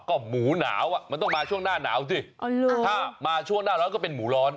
ก็หมูหนาวอ่ะมันต้องมาช่วงหน้าหนาวสิถ้ามาช่วงหน้าร้อนก็เป็นหมูร้อน